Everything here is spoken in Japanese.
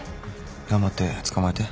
「頑張って捕まえて」